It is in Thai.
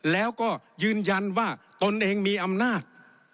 แล้วก็ยืนยันว่าตนเองมีอำนาจ